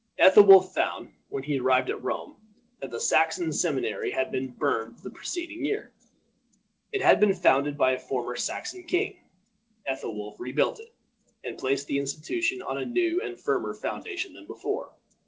Ethelwolf found, when he arrived at Rome, that the Saxon seminary had been burned the preceding year. It had been founded by a former Saxon king. Ethelwolf rebuilt it, and placed the institution on a new and firmer foundation than before.